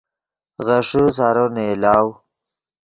غیݰے سارو نئیلاؤ